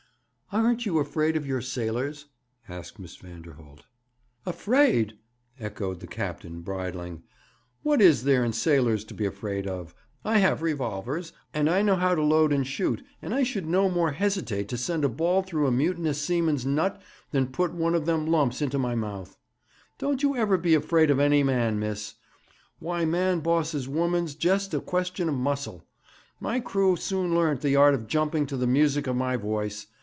'Aren't you afraid of your sailors?' asked Miss Vanderholt. 'Afraid!' echoed the captain, bridling. 'What is there in sailors to be afraid of? I have revolvers, and I know how to load and shoot, and I should no more hesitate to send a ball through a mutinous seaman's nut than put one of them lumps into my mouth. Don't you ever be afraid of any man, miss. Why man bosses woman's jest a question of muscle. My crew soon learnt the art of jumping to the music of my voice.